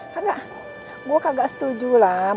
kakak gue kagak setuju lam